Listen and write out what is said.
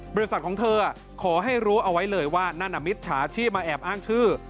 บริษัทของเธอขอให้รู้เอาไว้เลยว่านั่นมิจฉาชีพมาแอบอ้างชื่อ